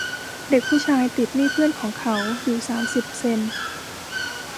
เด็กผู้ชายติดหนี้เพื่อนของเขาอยู่สามสิบเซ็นต์